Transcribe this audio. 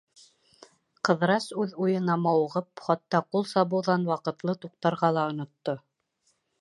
Ҡыҙырас, үҙ уйына мауығып, хатта ҡул сабыуҙан ваҡытлы туҡтарға ла онотто.